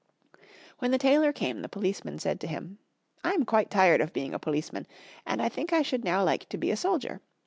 When the tailor came the policeman said to him, "I am quite tired of being a policeman, and I think I should now like to be a soldier.